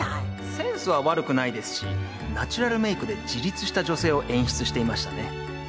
センスは悪くないですしナチュラルメイクで自立した女性を演出していましたね。